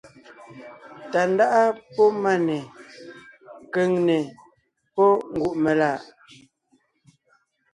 Tàndáʼa pɔ́ Máne; Kʉ̀ŋne pɔ́ Ngùʼmelaʼ.